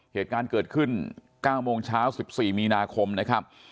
เหตุการณ์เกิดขึ้น๙โมงเช้า๑๔มีนาคมนะครับ